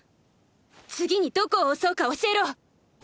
次にどこを襲うか教えろ！